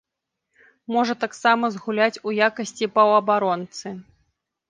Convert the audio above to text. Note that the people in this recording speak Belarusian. Можа таксама згуляць у якасці паўабаронцы.